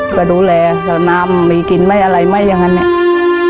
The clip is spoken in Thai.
ก็ดูแลเจ้าน้ำไม่กินไม่อะไรไม่อย่างนั้นเนี่ย